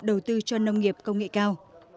đầu tư cho nông nghiệp công nghệ cao